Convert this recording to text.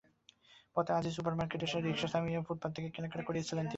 পথে আজিজ সুপার মার্কেটের সামনে রিকশা থামিয়ে ফুটপাত থেকে কেনাকাটা করছিলেন তিনি।